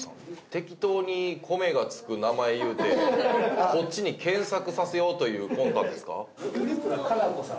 適当に「米」が付く名前言うてこっちに検索させようという魂胆ですか？